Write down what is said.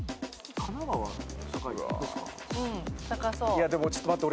いやでもちょっと待って。